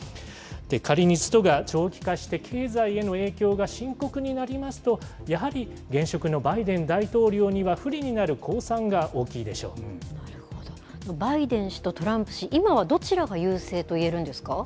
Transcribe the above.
仮にストが長期化して、経済への影響が深刻になりますと、やはり現職のバイデン大統領には、バイデン氏とトランプ氏、今はどちらが優勢といえるんですか。